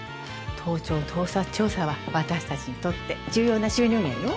盗聴盗撮調査は私たちにとって重要な収入源よ。